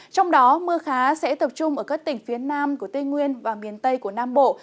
trong đó mưa khá sẽ tập trung ở các tỉnh phía nam của tây nguyên và miền tây của nam bộ